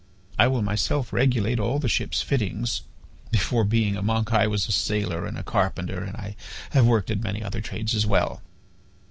I will myself regulate all the ship's fittings. Before being a monk I was a sailor and a carpenter and I have worked at many other trades as well.